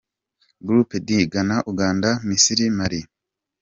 Group D: Ghana, Uganda, Misiri, Mali.